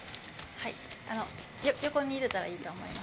あの横に入れたらいいと思います。